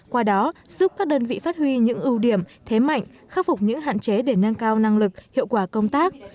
qua đó giúp các đơn vị phát huy những ưu điểm thế mạnh khắc phục những hạn chế để nâng cao năng lực hiệu quả công tác